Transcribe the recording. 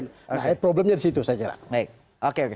nah problemnya di situ saya kira